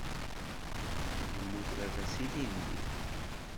Yemmut baba-s ilindi.